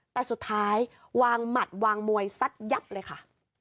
แต่สุดท้ายวางหมัดวางมวยซัดยับเลยค่ะ